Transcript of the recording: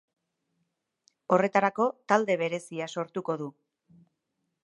Horretarako talde berezia sortuko du.